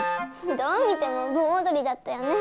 どう見てもぼんおどりだったよね。